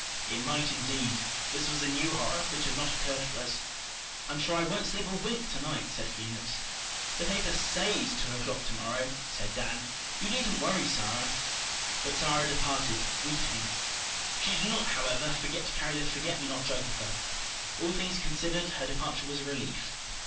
It might, indeed. This was a new horror, which had not occurred to us. "I'm sure I won't sleep a wink to night," said Felix. "The paper SAYS two o'clock to morrow," said Dan. "You needn't worry, Sara." But Sara departed, weeping. She did not, however, forget to carry the forget me not jug with her. All things considered, her departure was a relief.